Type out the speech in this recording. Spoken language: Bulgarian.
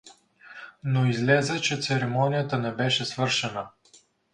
Но излезе, че церемонията не беше свършена.